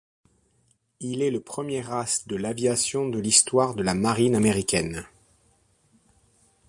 Il est le premier as de l'aviation de l'histoire de la marine américaine.